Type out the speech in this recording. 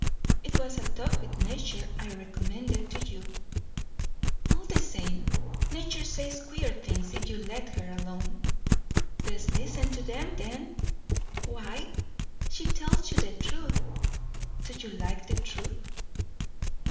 "It was a talk with Nature I recommended to you." "All the same. Nature says queer things if you let her alone." "Best listen to them, then." "Why?" "She tells you the truth." "Do you like the truth?"